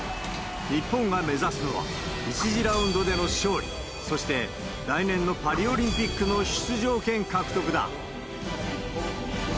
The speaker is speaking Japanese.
日本が目指すのは、１次ラウンドでの勝利、そして、来年のパリオリンピックの出場権獲得だ。